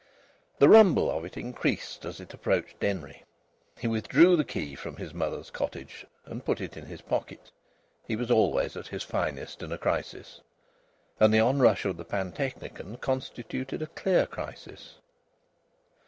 The rumble of it increased as it approached Denry. He withdrew the key from his mother's cottage and put it in his pocket. He was always at his finest in a crisis. And the onrush of the pantechnicon constituted a clear crisis.